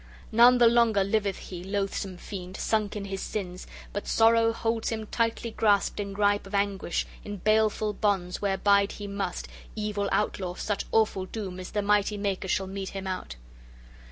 None the longer liveth he, loathsome fiend, sunk in his sins, but sorrow holds him tightly grasped in gripe of anguish, in baleful bonds, where bide he must, evil outlaw, such awful doom as the Mighty Maker shall mete him out."